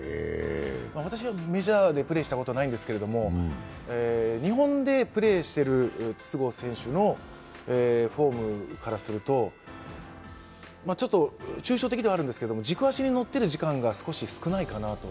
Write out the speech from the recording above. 私はメジャーでプレーしたことはないんですが、日本でプレーしている筒香選手のフォームからするとちょっと抽象的ではあるんですけど、軸足に乗っている時間が少し少ないかなと。